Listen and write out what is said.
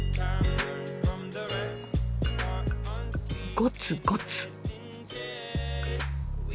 ゴツゴツ。